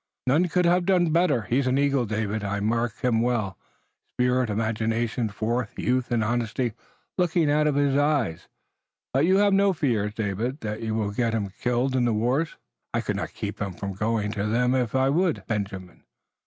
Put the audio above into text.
"None could have done better. He's an eagle, David. I marked him well. Spirit, imagination, force; youth and honesty looking out of his eyes. But have you no fears, David, that you will get him killed in the wars?" "I could not keep him from going to them if I would, Benjamin.